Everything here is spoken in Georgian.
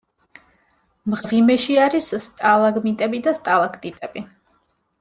მღვიმეში არის სტალაგმიტები და სტალაქტიტები.